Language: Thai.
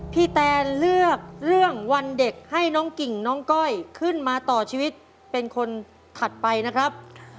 แตนเลือกเรื่องวันเด็กให้น้องกิ่งน้องก้อยขึ้นมาต่อชีวิตเป็นคนถัดไปนะครับ